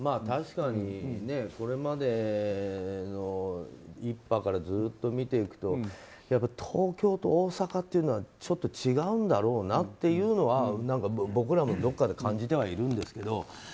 確かにこれまでの１波からずっと見ていくと東京と大阪は、ちょっと違うんだろうなというのは僕らもどっかで感じてはいるんですけど。